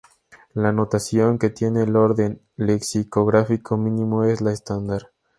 La notación que tiene el orden lexicográfico mínimo es la "estándar".